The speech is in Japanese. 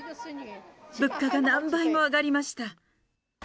物価が何倍も上がりました。